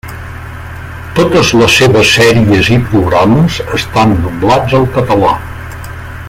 Totes les seves sèries i programes estan doblats al català.